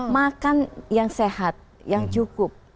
makan yang sehat yang cukup